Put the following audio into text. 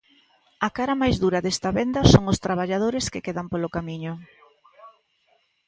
A cara máis dura desta venda son os traballadores que quedan polo camiño.